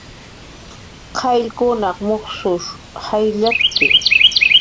Qayllkunaq musnush jayllatki